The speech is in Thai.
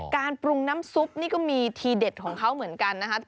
การปรุงน้ำซุปนี่ก็มีทีเด็ดของเขาเหมือนกันนะคะ